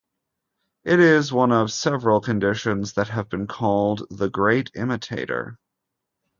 It is one of several conditions that have been called the great imitator.